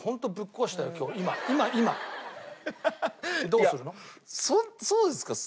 どうするの？